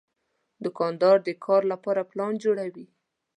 دوکاندار د کار لپاره پلان جوړوي.